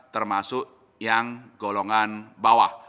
termasuk yang golongan bawah